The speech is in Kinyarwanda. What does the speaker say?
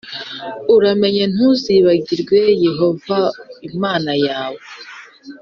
Uramenye ntuzibagirwe Yehova Imana yawe